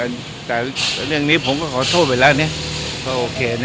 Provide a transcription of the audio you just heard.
ก็อันนั้นนี้เป็นเรื่องของความที่ผิดหลงแบบคนคนเดียวนะ